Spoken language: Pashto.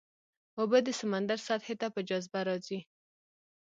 اوبه د سمندر سطحې ته په جاذبه راځي.